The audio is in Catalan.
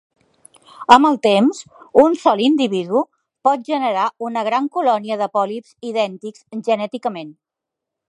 Amb el temps, un sol individu pot generar una gran colònia de pòlips idèntics genèticament.